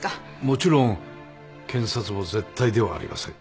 もちろん検察も絶対ではありません。